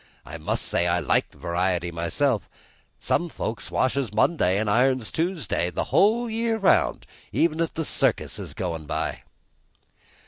I must say I like variety myself; some folks washes Monday an' irons Tuesday the whole year round, even if the circus is goin' by!"